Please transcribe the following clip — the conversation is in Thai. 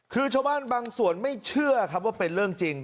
คือชาวบ้านบางส่วนไม่เชื่อครับว่าเป็นเรื่องจริง